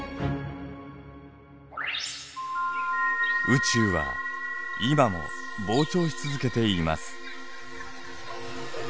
宇宙は今も膨張し続けています。